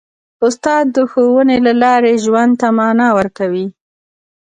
استاد د ښوونې له لارې ژوند ته مانا ورکوي.